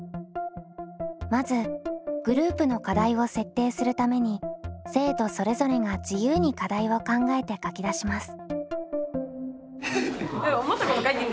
まずグループの課題を設定するために生徒それぞれが自由に課題を考えて書き出します。